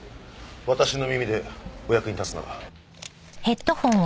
私の耳でお役に立つなら。